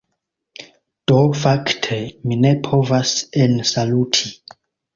Do fakte mi ne povas ensaluti.